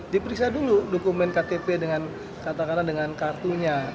diperiksa dulu dokumen ktp dengan katakanlah dengan kartunya